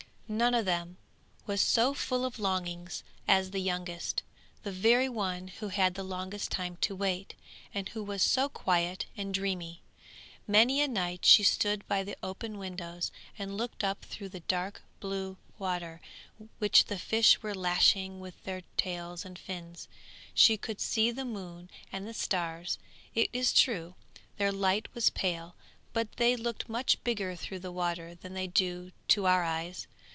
None of them was so full of longings as the youngest, the very one who had the longest time to wait, and who was so quiet and dreamy. Many a night she stood by the open windows and looked up through the dark blue water which the fish were lashing with their tails and fins. She could see the moon and the stars, it is true; their light was pale, but they looked much bigger through the water than they do to our eyes.